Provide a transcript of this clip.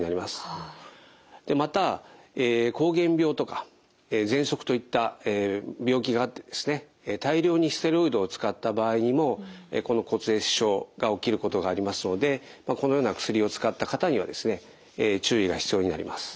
また膠原病とかぜんそくといった病気があって大量にステロイドを使った場合にもこの骨壊死症が起きることがありますのでこのような薬を使った方には注意が必要になります。